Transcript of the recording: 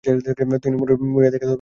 তিনি মুরিয়ার দিকে আগাতে পারছিলেন না।